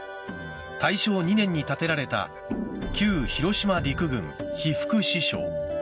大正２年に建てられた旧広島陸軍被服支廠。